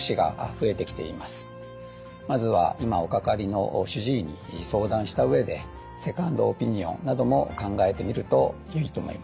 まずは今おかかりの主治医に相談した上でセカンドオピニオンなども考えてみるといいと思います。